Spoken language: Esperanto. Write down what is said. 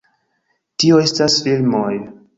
Tio estas filmoj